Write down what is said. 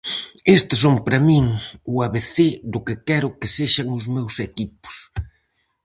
Estes son para min o abecé do que quero que sexan os meus equipos.